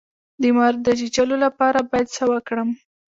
د مار د چیچلو لپاره باید څه وکړم؟